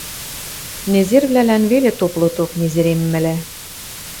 Незервлӓлӓн веле топлоток незереммӹлӓ!